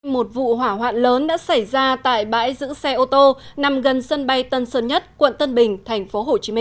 một vụ hỏa hoạn lớn đã xảy ra tại bãi giữ xe ô tô nằm gần sân bay tân sơn nhất quận tân bình tp hcm